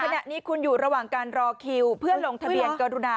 ขณะนี้คุณอยู่ระหว่างการรอคิวเพื่อลงทะเบียนกรุณา